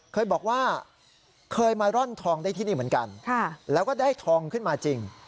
เคยบอกว่าเคยมาร่อนทองได้ที่นี่เหมือนกันแล้วก็ได้ทองขึ้นมาจริง